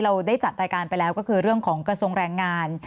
เราได้จัดรายการไปแล้วก็คือเรื่องของกระทรวงแรงงาน